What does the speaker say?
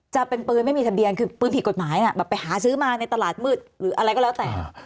จะเป็นปืนไม่มีทะเบียนคือปืนผิดกฎหมายแบบไปหาซื้อมาในตลาดมืดหรืออะไรก็แล้วแต่